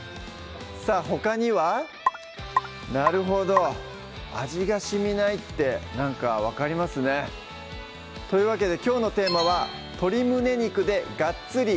さぁほかにはなるほど「味がしみない」ってなんか分かりますねというわけできょうのテーマは「鶏胸肉でガッツリ！」